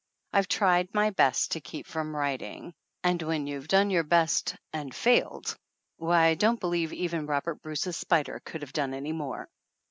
I've tried my best to keep from writing, and when you have done your best and failed, why I don't believe even Robert Bruce's spider could have done any more.